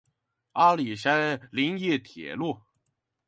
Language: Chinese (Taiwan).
阿里山林業鐵路